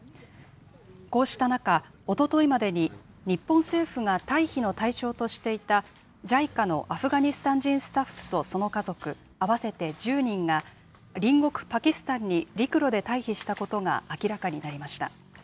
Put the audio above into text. こうした中、おとといまでに、日本政府が退避の対象としていたＪＩＣＡのアフガニスタン人スタッフとその家族、合わせて１０人が、隣国パキスタンに陸路で退避したことが明らかになりました。